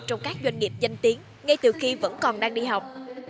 trong các doanh nghiệp danh tiếng ngay từ khi vẫn còn đang đi học